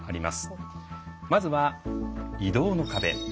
まずは、移動の壁。